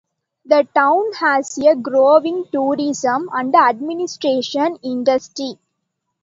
The town has a growing tourism and administration industry.